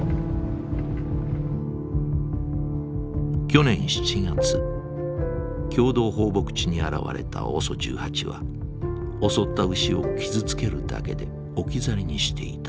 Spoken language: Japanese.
去年７月共同放牧地に現れたＯＳＯ１８は襲った牛を傷つけるだけで置き去りにしていた。